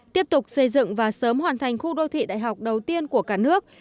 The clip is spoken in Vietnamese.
tiếp tục xây dựng và sớm hoàn thành khu đô thị đại học đầu tiên của cả nước